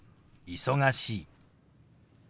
「忙しい」。